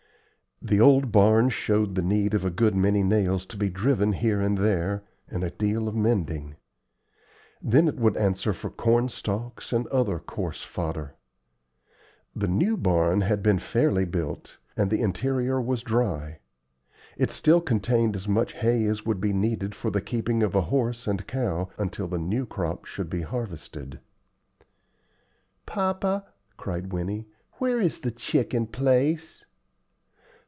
The old barn showed the need of a good many nails to be driven here and there, and a deal of mending. Then it would answer for corn stalks and other coarse fodder. The new barn had been fairly built, and the interior was dry. It still contained as much hay as would be needed for the keeping of a horse and cow until the new crop should be harvested. "Papa," cried Winnie, "where is the chicken place?"